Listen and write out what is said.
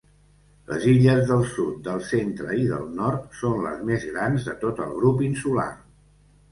Les illes del sud, del centre i del nord són les més grans de tot el grup insular.